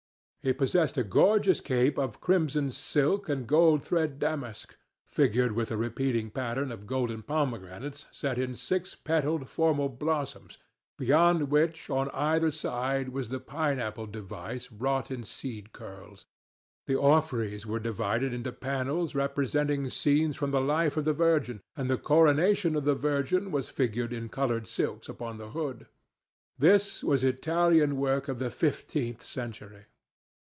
He possessed a gorgeous cope of crimson silk and gold thread damask, figured with a repeating pattern of golden pomegranates set in six petalled formal blossoms, beyond which on either side was the pine apple device wrought in seed pearls. The orphreys were divided into panels representing scenes from the life of the Virgin, and the coronation of the Virgin was figured in coloured silks upon the hood. This was Italian work of the fifteenth century.